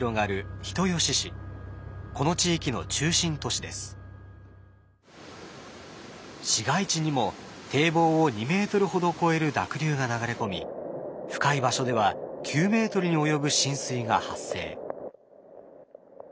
市街地にも堤防を２ｍほど越える濁流が流れ込み深い場所では９ｍに及ぶ浸水が発生。